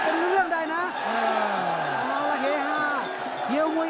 ตอนนี้มันถึง๓